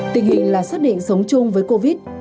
tình hình là xác định sống chung với covid